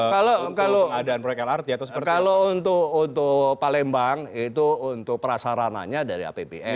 kalau untuk palembang itu untuk prasarananya dari apbn